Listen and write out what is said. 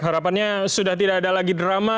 harapannya sudah tidak ada lagi drama